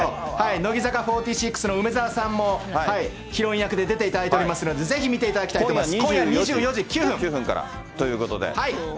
乃木坂４６の梅澤さんもヒロイン役で出ていただいておりますので、ぜひ見ていただきたいと思います。